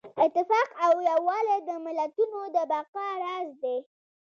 اتفاق او یووالی د ملتونو د بقا راز دی.